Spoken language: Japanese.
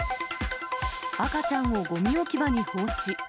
赤ちゃんをごみ置き場に放置。